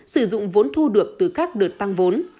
sử dụng vốn thu được từ các đợt tăng vốn